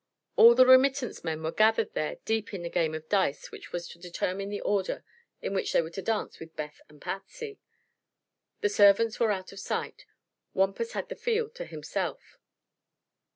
All the remittance men were gathered there deep in the game of dice which was to determine the order in which they were to dance with Beth and Patsy. The servants were out of sight. Wampus had the field to himself.